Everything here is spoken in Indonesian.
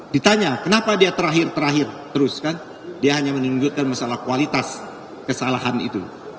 ditanya kenapa dia terakhir terakhir terus kan dia hanya menunjukkan masalah kualitas kesalahan itu